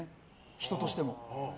人としても。